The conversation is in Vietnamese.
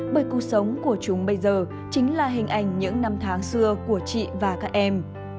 bởi cuộc sống của chúng bây giờ chính là hình ảnh những năm tháng xưa của chị và các em